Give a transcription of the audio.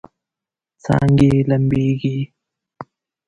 څانګې لمبیږي